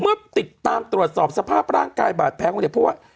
เมื่อติดตามตรวจสอบสภาพร่างกายบาดแผลของเด็กเพราะว่า